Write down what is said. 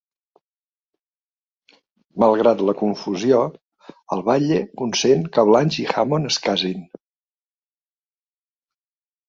Malgrat la confusió, el batlle consent que Blanche i Hammond es casin.